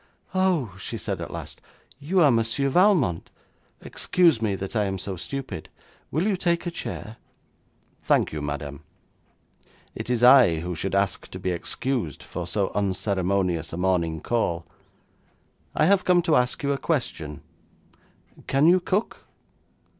'Oh,' she said at last, 'you are Monsieur Valmont. Excuse me that I am so stupid. Will you take a chair?' 'Thank you, madam. It is I who should ask to be excused for so unceremonious a morning call. I have come to ask you a question. Can you cook?'